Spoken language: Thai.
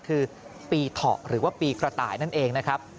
คือปีเถาะหรือว่าปีกระต่ายนั่นเองนะครับ